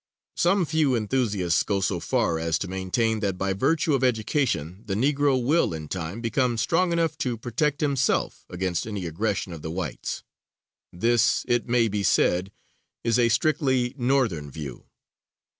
Some few enthusiasts go so far as to maintain that by virtue of education the Negro will, in time, become strong enough to protect himself against any aggression of the whites; this, it may be said, is a strictly Northern view.